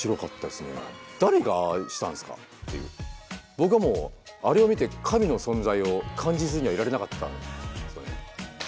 僕はもうあれを見て神の存在を感じずにはいられなかったんですよね。